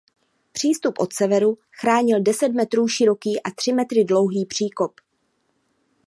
Přístup od severu chránil deset metrů široký a tři metry hluboký příkop.